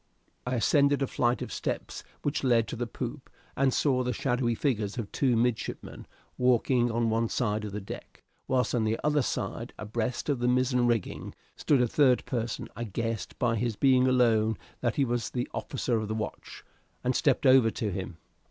I ascended a flight of steps which led to the poop, and saw the shadowy figures of two midshipmen walking on one side the deck, whilst on the other side, abreast of the mizzen rigging, stood a third person I guessed by his being alone that he was the officer of the watch, and stepped over to him.